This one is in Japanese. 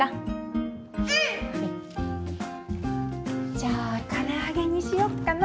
じゃあから揚げにしよっかな。